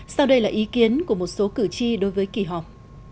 sau đây là ý kiến của một số cử tri đối với kỳ họp